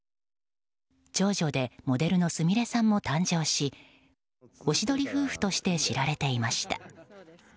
長女でモデルのすみれさんも誕生しおしどり夫婦として知られていました。